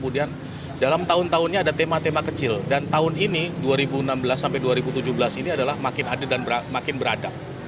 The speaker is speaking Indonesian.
dalam tahun tahunnya ada tema tema kecil dan tahun ini dua ribu enam belas sampai dua ribu tujuh belas ini adalah makin adil dan makin beradab